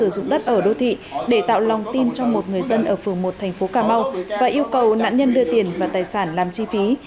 sử dụng đất ở đô thị để tạo lòng tin cho một người dân ở phường một thành phố cà mau và yêu cầu nạn nhân đưa tiền và tài sản làm chi phí